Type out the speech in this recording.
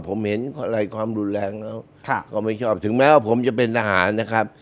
ผมเห็นอะไรความรุนแรงแล้วก็ไม่ชอบถึงแม้ว่าผมจะเป็นทหารนะครับ